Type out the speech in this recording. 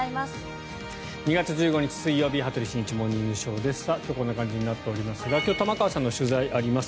２月１５日、水曜日「羽鳥慎一モーニングショー」。今日こんな感じになっておりますが今日、玉川さんの取材があります。